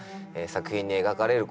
作品に描かれる